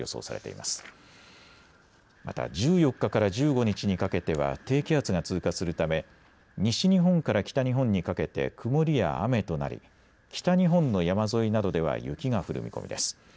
また１４日から１５日にかけては低気圧が通過するため西日本から北日本にかけて曇りや雨となり北日本の山沿いなどでは雪が降る見込みです。